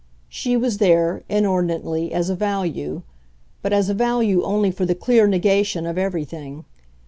She was there, inordinately, as a value, but as a value only for the clear negation of everything.